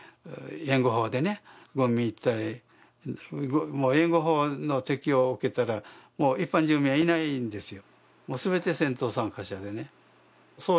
援護法で、軍民一体、援護法の適用を受けたら一般住民はいないんですよ。